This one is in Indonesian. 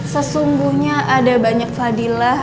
sesungguhnya ada banyak fadilah